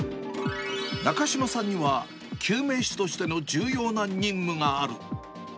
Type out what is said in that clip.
中島さんには、救命士としての重要な任務がある。